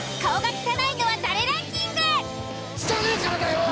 汚ぇからだよ！